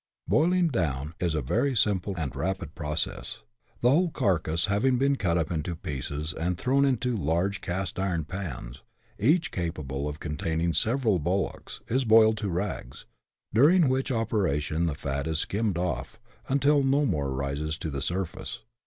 " Boiling down " is a very simple and rapid process. The whole carcase, having been cut up into pieces, and thrown into large cast iron pans, each capable of containing several bullocks, is boiled to rags, during which operation the fat is skimmed off, until no more rises to the surface.